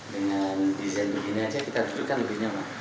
dengan desain begini saja kita duduk kan lebih nyaman